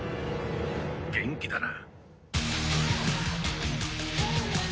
元気だな。